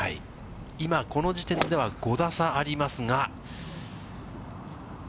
今、この時点では５打差ありますが。